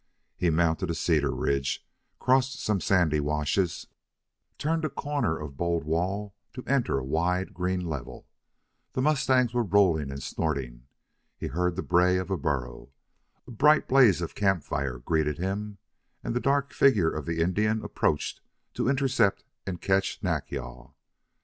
He mounted a cedar ridge, crossed some sandy washes, turned a corner of bold wall to enter a wide, green level. The mustangs were rolling and snorting. He heard the bray of a burro. A bright blaze of camp fire greeted him, and the dark figure of the Indian approached to intercept and catch Nack yal.